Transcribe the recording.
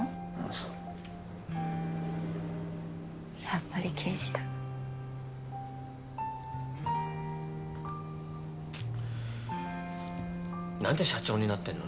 そうやっぱり刑事だ何で社長になってんの？